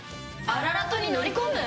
アララトに乗り込む！？